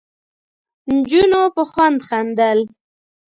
نجونو په خوند خندل.